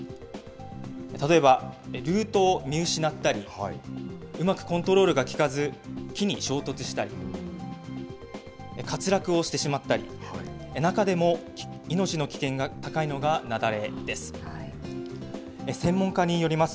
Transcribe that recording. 例えばルートを見失ったり、うまくコントロールが利かず、木に衝突したり、滑落をしてしまったり、中でも命の危険が高いのが雪崩です。